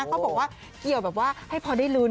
เขาบอกว่าเกี่ยวแบบว่าให้พอได้ลุ้น